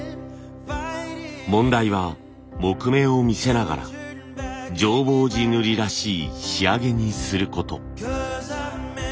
問題は木目を見せながら浄法寺塗らしい仕上げにすること。